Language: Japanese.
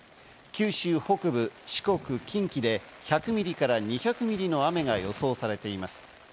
九州北部、四国、近畿で１００ミリから２００ミリの雨が予想されています。